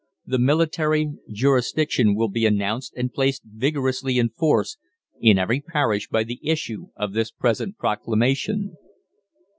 The Military Jurisdiction will be announced and placed vigorously in force in every parish by the issue of this present proclamation.